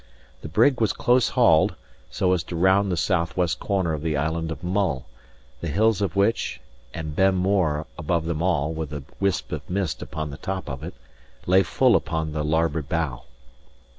The brig was close hauled, so as to round the southwest corner of the Island of Mull, the hills of which (and Ben More above them all, with a wisp of mist upon the top of it) lay full upon the lar board bow.